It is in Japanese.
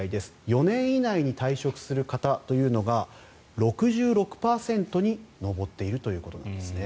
４年以内に退職する方というのが６６％に上っているということです。